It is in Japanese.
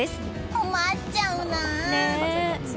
困っちゃうな。